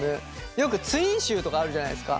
よくツインシューとかあるじゃないですか